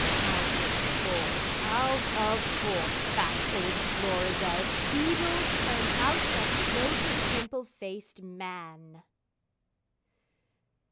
Out of Court, out of Court, fat old Florizel! Beadles, turn out that bloated, pimple faced man!